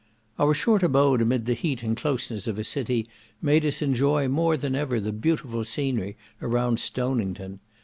Our short abode amid the heat and closeness of a city made us enjoy more than ever the beautiful scenery around Stonington.